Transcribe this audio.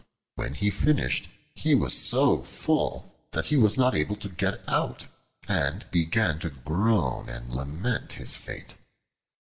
When he finished, he was so full that he was not able to get out, and began to groan and lament his fate.